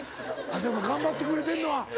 でも頑張ってくれてんのは。